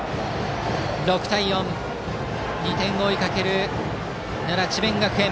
６対４、２点を追いかける奈良・智弁学園。